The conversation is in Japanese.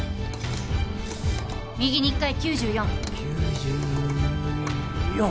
右に１回９４。